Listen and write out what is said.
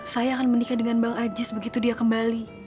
saya akan menikah dengan bang ajis begitu dia kembali